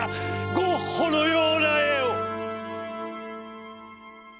ゴッホのような絵を」。